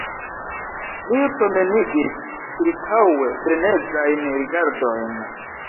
Li promenigis ĉirkaŭe frenezajn rigardojn.